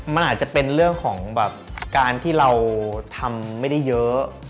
มันอาจจะเป็นเรื่องของแบบการที่เราทำไม่ได้เยอะ